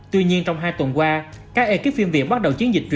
tuy nhiên trong hai tuần qua các ekip phim việt bắt đầu chiến dịch